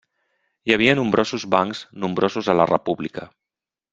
Hi havia nombrosos bancs nombrosos a la república.